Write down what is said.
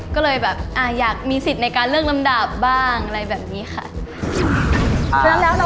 ก็เลยแบบอยากมีสิทธิ์ในการเลือกลำดับบ้างอะไรแบบนี้ค่ะ